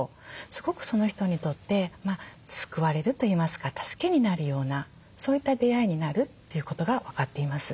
すごくその人にとって救われるといいますか助けになるようなそういった出会いになるということが分かっています。